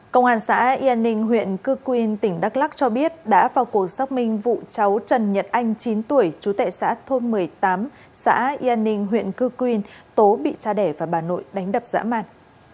công an xã yên ninh huyện cư quyên tỉnh đắk lắc cho biết đã vào cuộc xác minh vụ cháu trần nhật anh chín tuổi chú tệ xã thôn một mươi tám xã yên ninh huyện cư quyên tố bị cha đẻ và bà nội đánh đập dã man